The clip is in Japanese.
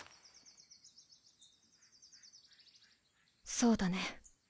そうだね。